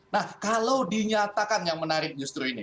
nah kalau dinyatakan yang menarik justru ini